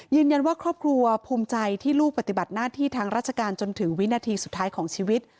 ครอบครัวภูมิใจที่ลูกปฏิบัติหน้าที่ทางราชการจนถึงวินาทีสุดท้ายของชีวิต